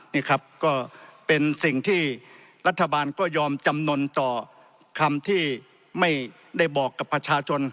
นี่ครับก็เป็นสิ่งที่รัฐบาลก็ยอมจำนวนต่อคำที่ไม่ได้บอกกับประชาชน